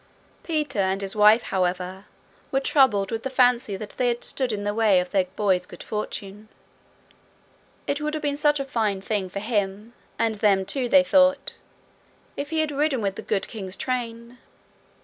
Peter and his wife, however, were troubled with the fancy that they had stood in the way of their boy's good fortune. It would have been such a fine thing for him and them, too, they thought, if he had ridden with the good king's train.